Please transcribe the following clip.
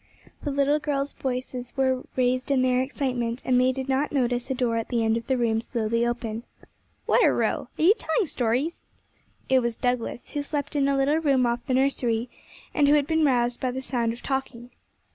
The little girls' voices were raised in their excitement, and they did not notice a door at the end of the room slowly open. 'What a row! Are you telling stories?' It was Douglas, who slept in a little room off the nursery, and who had been roused by the sound of talking.